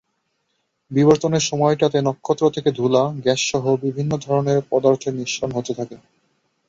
বিবর্তনের সময়টাতে নক্ষত্র থেকে ধুলা, গ্যাসসহ বিভিন্ন ধরনের পদার্থের নিঃসরণ হতে থাকে।